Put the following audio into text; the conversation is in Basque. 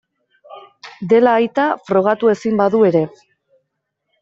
Dela aita, frogatu ezin badu ere.